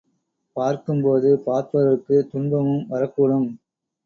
பார்க்கும்போது பார்ப்பவர்க்கு துன்பமும் வரக்கூடும்.